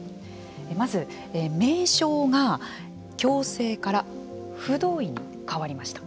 まず、名称が強制から不同意に変わりました。